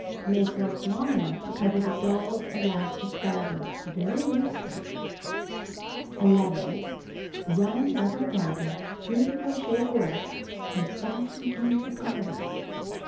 Make work long enough to cover the doll's elastic garter very loosely. 11. Run rubber garter through the crocheted work and fasten ends of garter.